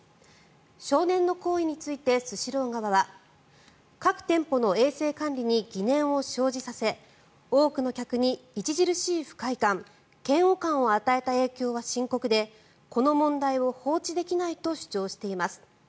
少年の行為についてスシロー側は各店舗の衛生管理に疑念を生じさせ多くの客に著しい不快感、嫌悪感を与えた影響は深刻でこの問題を放置できないと主張しています。